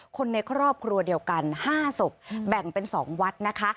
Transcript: คนในครอบครัวเดียวกัน๕ศพแบ่งเป็น๒วัดนะคะ